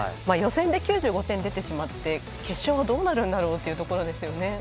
予選で９５点出てしまって決勝はどうなるんだろうというところですよね。